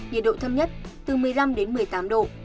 nhiệt độ thấp nhất từ một mươi năm đến một mươi tám độ